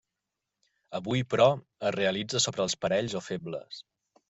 Avui, però, es realitza sobre els parells o febles.